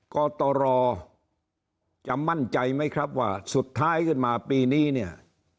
กตรจะมั่นใจไหมครับว่าสุดท้ายขึ้นมาปีนี้เนี่ย